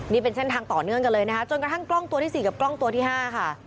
นี่เป็นเส้นทางต่อเนื่องกันเลยนะคะจนกระทั่งกล้องตัวที่๔กับกล้องตัวที่๕ค่ะ